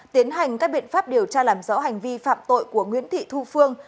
tiến hành các biện pháp điều tra làm rõ hành vi phạm tội của nguyễn thị thu phương